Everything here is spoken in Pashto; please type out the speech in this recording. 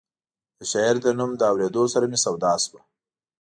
د شاعر د نوم له اورېدو سره مې سودا شوه.